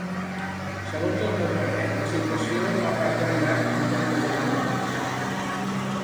Segons el meu parer, la situació no ha pas variat en termes generals.